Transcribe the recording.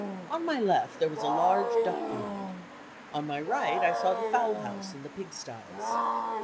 On my left, there was a large duck pond. On my right, I saw the fowl house and the pigstyes.